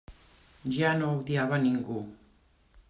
Ja no odiava a ningú.